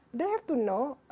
mereka harus tahu